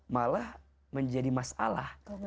malah menjadi masalah